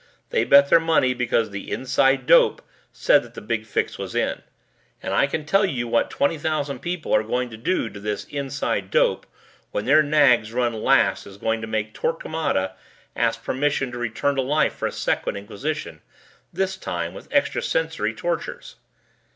They bet their money because the 'Inside Dope' said that the big fix was in. And I can tell you that what twenty thousand people are going to do to this 'Inside Dope' when their nags run last is going to make Torquemada ask permission to return to life for a Second Inquisition, this time with extrasensory tortures."